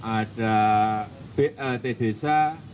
ada dlt desa